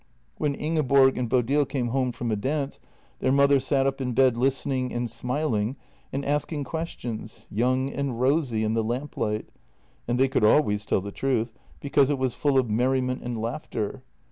When Ingeborg and Bodil came home from a dance their mother sat up in bed listening and smiling and asking ques tions, young and rosy in the lamplight, and they could always tell the truth, because it was full of merriment and laughter.